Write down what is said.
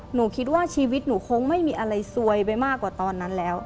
หนูคิดว่าชีวิตหนูคงไม่มีอะไรซวยไปมากกว่าตอนนั้นแล้ว